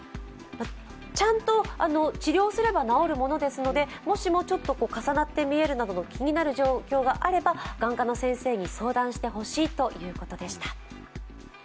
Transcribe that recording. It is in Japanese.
ちゃんと治療すれば治るものですので、もしもちょっと重なって見えるなどの気になる状況があれば眼科の先生に相談してほしいということでした。